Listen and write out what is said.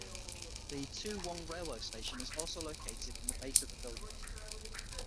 The Toowong Railway Station is also located in the base of the building.